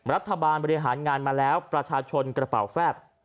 รัฐบาลบริหารงานมาแล้วประชาชนกระเป๋าแฟบ